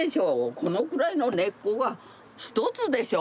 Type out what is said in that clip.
このくらいの根っこが一つでしょう。